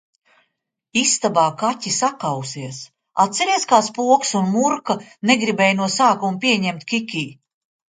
Istabā kaķi sakausies! atceries, kā Spoks un Murka negribēja no sākuma pieņemt Kikī?...